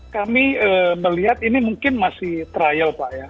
kami melihat ini mungkin masih trial pak ya